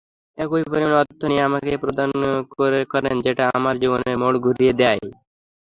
একই পরিমাণ অর্থ তিনি আমাকে প্রদান করেন যেটা আমার জীবনের মোড় ঘুরিয়ে দেয়।